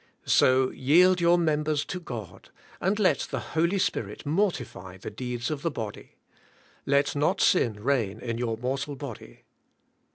So yield your members to God, and let the Holy Spirit mortify the deeds of the body. "Let not sin reign in your mortal body."